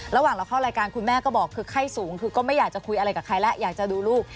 ระหว่างเราเข้ารายการคุณแม่ก็บอกคือไข้สูงคือก็ไม่อยากจะคุยอะไรกับใครแล้วอยากจะดูลูก